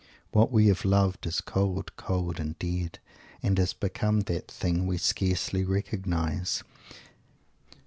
What we have loved is cold, cold and dead, and has become that thing we scarcely recognise.